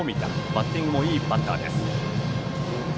バッティングもいいバッターです。